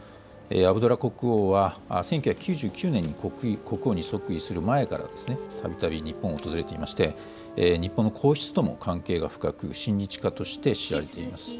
アブドラ国王は１９９９年に国王に即位する前から、たびたび日本を訪れていまして、日本の皇室とも関係が深く、親日家として知られています。